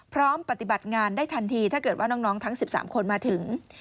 พร้อมปฏิบัติงานได้ทันทีถ้าเกิดว่าน้องน้องทั้งสิบสามคนมาถึง